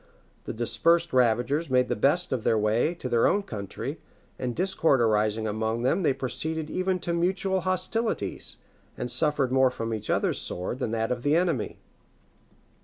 The dispersed ravagers made the best of their way to their own country; and discord arising among them, they proceeded even to mutual hostilities, and suffered more from each other's sword than from that of the enemy.